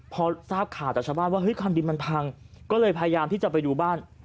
พอทราบข่าวจากชาวบ้านว่าเฮ้ยคันดินมันพังก็เลยพยายามที่จะไปดูบ้าน